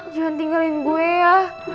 jangan tinggalin gue ya